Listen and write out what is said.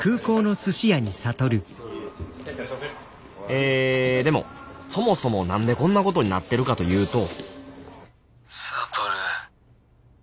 えでもそもそも何でこんなことになってるかというと諭。